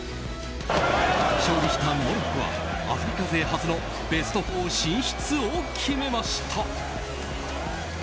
勝利したモロッコはアフリカ勢初のベスト４進出を決めました。